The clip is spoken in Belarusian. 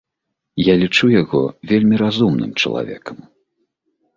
Я лічу яго вельмі разумным чалавекам.